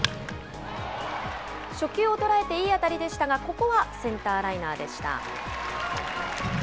初球を捉えていい当たりでしたが、ここはセンターライナーでした。